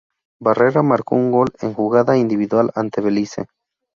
Barrera marcó un gol en jugada individual ante Belice.